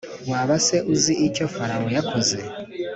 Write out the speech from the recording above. Waba se uzi icyo Farawo yakoze?